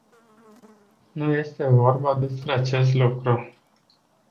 Nu este vorba despre acest lucru!